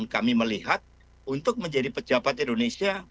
kami melihat untuk menjadi pejabat indonesia